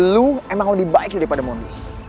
lo emang lebih baik daripada mondi